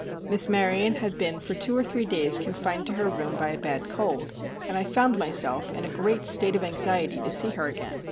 Miss Maryon had been for two or three days confined to her room by a bad cold, and I found myself in a great state of anxiety to see her again.